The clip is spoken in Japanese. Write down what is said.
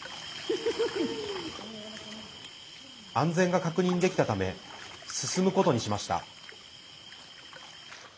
安全が確認できたため進むことにしました。